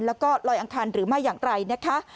แล้วก็ลอยอังคารหรือไม่อย่างไรนะคะ